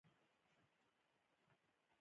هغه بيا په پېښور کې د نرسنګ زدکړې سرته ورسولې.